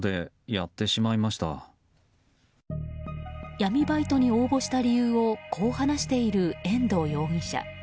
闇バイトに応募した理由をこう話している遠藤容疑者。